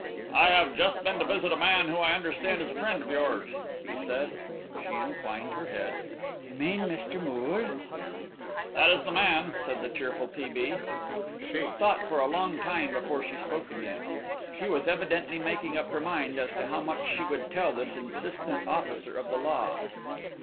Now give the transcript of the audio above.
"I have just been to visit a man who I understand is a friend of yours," he said. She inclined her head. "You mean Mr. Moole?" "That is the man," said the cheerful T. B. She thought for a long time before she spoke again. She was evidently making up her mind as to how much she would tell this insistent officer of the law.